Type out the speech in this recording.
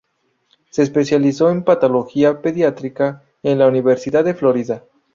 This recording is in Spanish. Se especializó en Patología pediátrica en la Universidad de Florida.